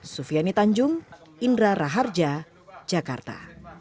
sufiani tanjung indra raharja jakarta